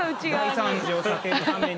大惨事を避けるために。